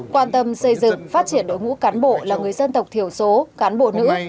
quan tâm xây dựng phát triển đội ngũ cán bộ là người dân tộc thiểu số cán bộ nữ